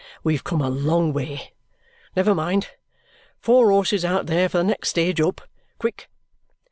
We've come a long way; never mind. Four horses out there for the next stage up! Quick!"